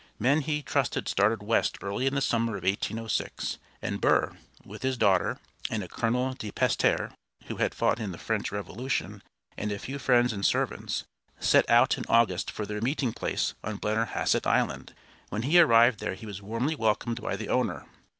Men he trusted started west early in the summer of 1806, and Burr, with his daughter, and a Colonel De Pestre, who had fought in the French Revolution, and a few friends and servants, set out in August for their meeting place on Blennerhassett Island. When he arrived there he was warmly welcomed by the owner.